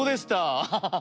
アハハハハ。